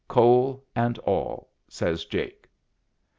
"Coal and all," says Jake.